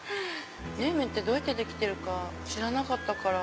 冷麺ってどうやって出来てるか知らなかったから。